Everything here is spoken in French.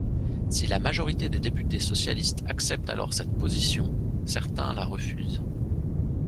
Si la majorité des députés socialistes accepte alors cette position, certains la refusent.